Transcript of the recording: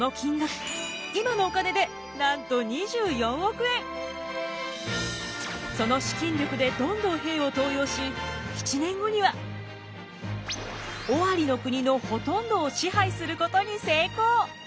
その金額その資金力でどんどん兵を登用し７年後には尾張国のほとんどを支配することに成功！